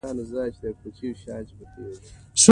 ازادي راډیو د مالي پالیسي په اړه پرله پسې خبرونه خپاره کړي.